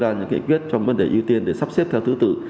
đưa ra những kế quyết trong vấn đề ưu tiên để sắp xếp theo thứ tự